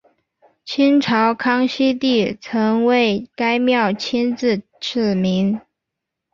清朝康熙帝曾为该庙亲自赐名。